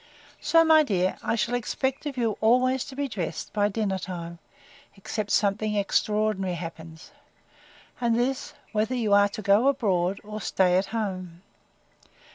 So, my dear, I shall expect of you always to be dressed by dinner time, except something extraordinary happens; and this, whether you are to go abroad, or stay at home.